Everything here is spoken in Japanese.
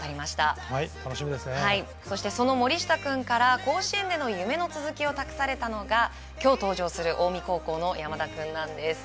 そして、その森下君から甲子園の夢の続きを託されたのが今日登場する近江高校の山田君なんです。